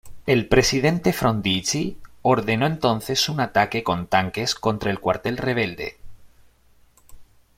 El presidente Frondizi ordenó entonces un ataque con tanques contra el cuartel rebelde.